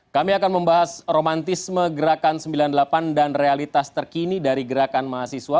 kami akan membahas romantisme gerakan sembilan puluh delapan dan realitas terkini dari gerakan mahasiswa